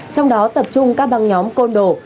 trong đó tập trung các ban nhóm côn đồ